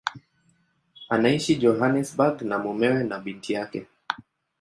Anaishi Johannesburg na mumewe na binti yake.